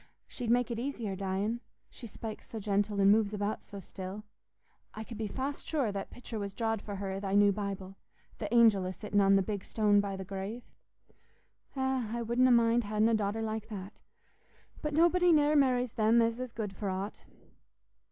She'd make it easier dyin'—she spakes so gentle an' moves about so still. I could be fast sure that pictur' was drawed for her i' thy new Bible—th' angel a sittin' on the big stone by the grave. Eh, I wouldna mind ha'in a daughter like that; but nobody ne'er marries them as is good for aught."